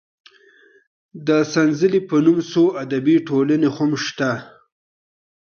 د سنځلې په نوم څو ادبي ټولنې هم شته.